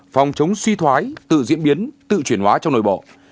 phòng chống suy thoái tự diễn biến tự chuyển hóa trong nội bộ